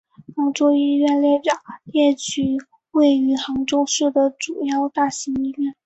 杭州医院列表列举位于杭州市的主要大型医院。